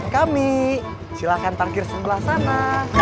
kami silahkan terakhir sebelah sana